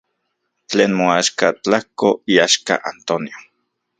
Tlen moaxka, tlajko iaxka Antonio.